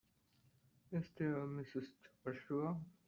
Is there a Mrs. Joshua?